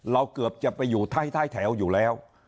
เกือบจะไปอยู่ท้ายแถวอยู่แล้ว